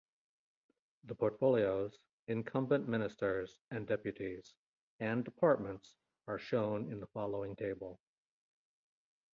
The portfolios, incumbent ministers and deputies, and departments are shown in the following table.